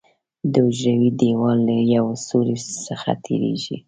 د حجروي دیوال له یو سوري څخه تېریږي.